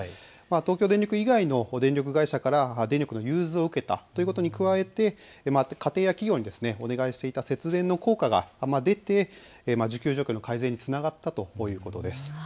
東京電力以外の電力会社から電力の融通を受けたということに加えまた家庭や企業にお願いをしていた節電の効果が出て需給状況の改善につながったということです。